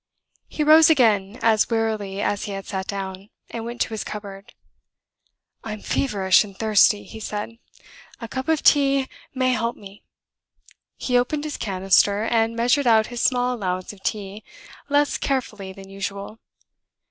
He rose again, as wearily as he had sat down, and went to his cupboard. "I'm feverish and thirsty," he said; "a cup of tea may help me." He opened his canister, and measured out his small allowance of tea, less carefully than usual.